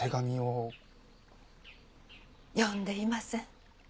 読んでいません。